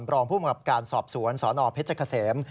รองภูมิกับการสอบสวนสนเพชรเกษม